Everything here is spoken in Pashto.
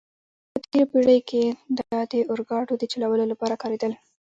په تېرو پېړیو کې دا د اورګاډو د چلولو لپاره کارېدل.